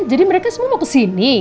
jadi mereka semua mau kesini